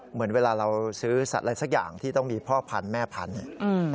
เหมือนเวลาเราซื้อสัตว์อะไรสักอย่างที่ต้องมีพ่อพันธุ์แม่พันธุ์